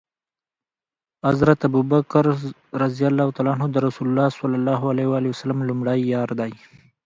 حضرت ابوبکر ص د رسول الله ص لمړی یار دی